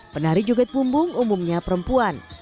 penari juget bumbung umumnya perempuan